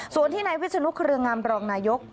ส่วนที่นายวิศนุเครืองามรองนายก